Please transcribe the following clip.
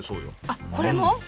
あっこれも？